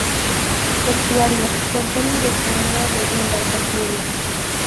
Portuaria, con zona de fondeo de embarcaciones.